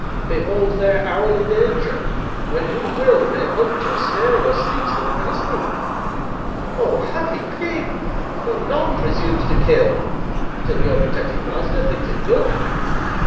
Behold their hourly danger, when who will May hunt or snare or seize them for his food! Oh, happy Pig! whom none presumes to kill Till your protecting master thinks it good!